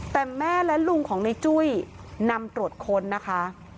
แต่แม่และลุงของในจุ้ยนำตรวจค้นนะคะ